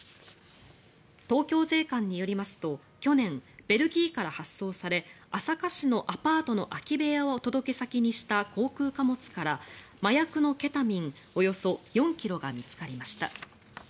東京税関によりますと去年、ベルギーから発送され朝霞市のアパートの空き部屋をお届け先にした航空貨物から麻薬のケタミンおよそ４ｋｇが見つかりました。